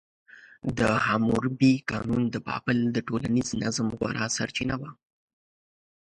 د حموربي قانون د بابل د ټولنیز نظم غوره سرچینه وه.